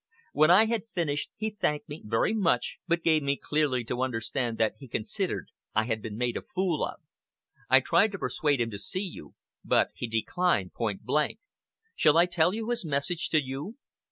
When I had finished, he thanked me very much, but gave me clearly to understand that he considered I had been made a fool of. I tried to persuade him to see you, but he declined point blank. Shall I tell you his message to you?"